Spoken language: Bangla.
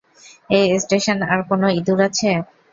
এই স্টেশনে আর কোনও ইঁদুর আছে?